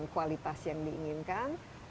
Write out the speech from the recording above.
dengan kualitas yang diinginkan